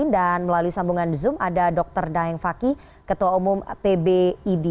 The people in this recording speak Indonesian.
dan melalui sambungan zoom ada dr daeng fakih ketua umum pbid